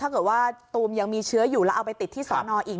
ถ้าเกิดว่าตูมยังมีเชื้ออยู่แล้วเอาไปติดที่สอนออีก